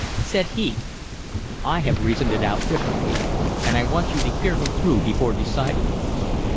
Said he: "I have reasoned it out differently, and I want you to hear me through before deciding.